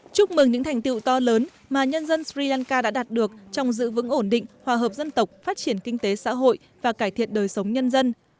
chúc mừng những thành tiệu to lớn mà nhân dân sri lanka đã đạt được trong giữ vững ổn định hòa hợp dân tộc phát triển kinh tế xã hội và cải thiện đời sống nhân dân